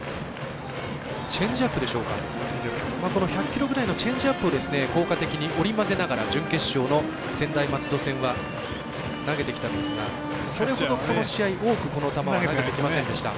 １００キロぐらいのチェンジアップを効果的に織り交ぜながら準決勝の専大松戸戦は投げてきたんですがそれほど、この試合多くは投げていませんでした。